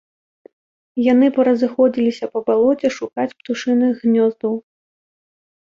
Яны паразыходзіліся па балоце шукаць птушыных гнёздаў.